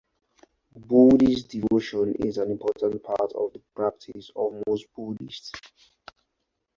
Buddhist Devotion is an important part of the practice of most Buddhists.